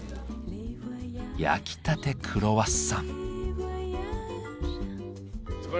焼きたてクロワッサン。